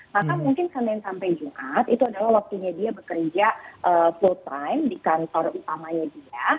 maka mungkin senin sampai jumat itu adalah waktunya dia bekerja full time di kantor utamanya dia